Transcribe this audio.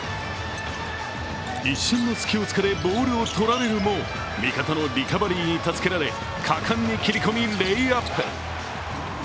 一瞬の隙を突かれ、ボールをとられるも味方のリカバリーに助けられ果敢に切り込み、レイアップ。